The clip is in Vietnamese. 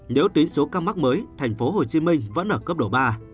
nếu tính số ca mắc mới tp hcm vẫn ở cấp độ ba